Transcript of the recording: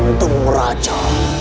untuk ular raja